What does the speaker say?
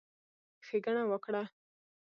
ښېګڼه وکړه،